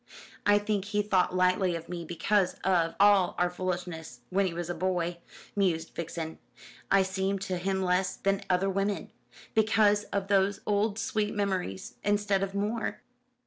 "I think he thought lightly of me because of all our foolishness when he was a boy," mused Vixen. "I seemed to him less than other women because of those old sweet memories instead of more."